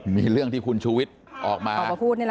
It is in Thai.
มีเรื่องที่คุณชุวิตออกมา